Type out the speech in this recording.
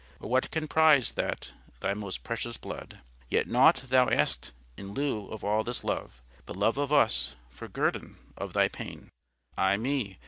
Or what can prize that Thy most precious blood? Yet nought Thou ask'st in lieu of all this love, But love of us, for guerdon of Thy paine: Ay me!